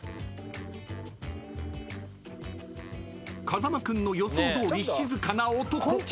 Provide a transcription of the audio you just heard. ［風間君の予想どおり静かな男］